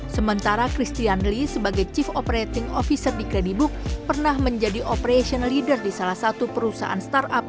sementara christian lee sebagai chief operating officer di credibook pernah menjadi operation leader di salah satu perusahaan startup